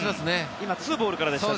今２ボールからでしたね。